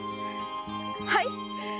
はい！